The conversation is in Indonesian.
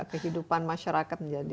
kehidupan masyarakat jadi